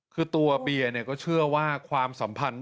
คือตัวเบียร์ก็เชื่อว่าความสัมพันธ์